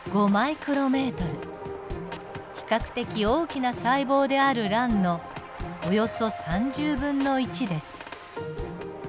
比較的大きな細胞である卵のおよそ３０分の１です。